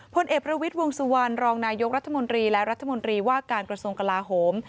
พลเอกประวิทย์วงสุวรรณรองนายกรัฐมนตรีและรัฐมนตรีว่าการกระทรวงกลาโหม